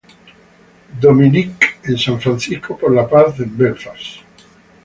Dominic en San Francisco por la paz en Belfast.